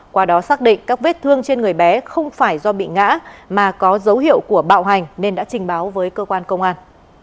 qua đó xác định các vết thương trên người bé không phải do bị ngã mà có dấu hiệu của bạo hành nên đã trình báo với cơ quan công an